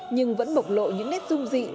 nhưng vẫn bộc lộ những nét dung dị